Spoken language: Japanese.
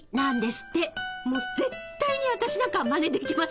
もう絶対に私なんかはまねできません。